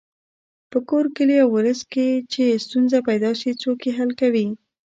په کور، کلي او ولس کې چې ستونزه پیدا شي څوک یې حل کوي.